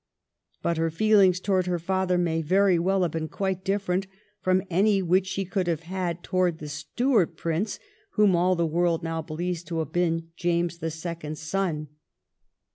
But her feelings towards her father may very weU have been quite different from any which she could have had towards the Stuart Prince whom all the world now believes to have been James the Second's son.